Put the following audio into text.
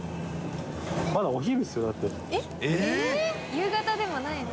夕方でもないの？